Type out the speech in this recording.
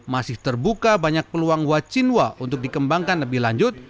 masih terbuka banyak peluang wacinwa untuk dikembangkan lebih lanjut